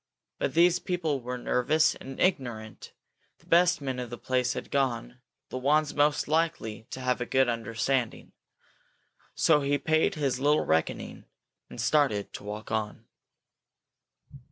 But these people were nervous and ignorant; the best men of the place had gone, the ones most likely to have a good understanding. So he paid his little reckoning, and started to walk on.